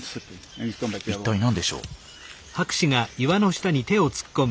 一体何でしょう？